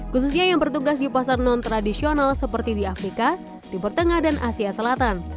khususnya yang bertugas di pasar non tradisional seperti di afrika di pertengah dan asia